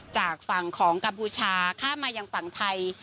จากฝั่งของกัมพูชาข้ามมายังฝั่งไทย